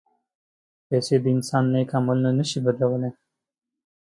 پېسې د انسان نیک عملونه نه شي بدلولی.